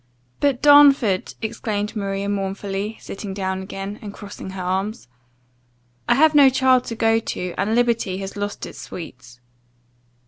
"But Darnford!" exclaimed Maria, mournfully sitting down again, and crossing her arms "I have no child to go to, and liberty has lost its sweets."